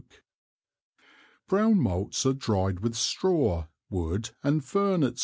Brown Malts are dryed with Straw, Wood and Fern, &c.